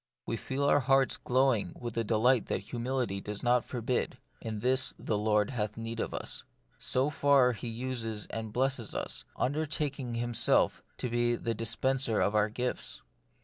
We feel our hearts glowing with a delight that humility does not forbid, " in this the Lord hath need of us." So far, He uses and blesses us, undertaking Himself to be the dispenser of our gifts.